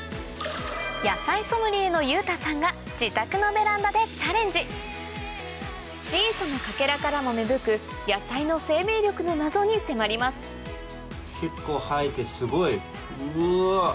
野菜ソムリエの裕太さんが自宅のベランダでチャレンジ小さなかけらからも芽吹くの謎に迫りますうわ。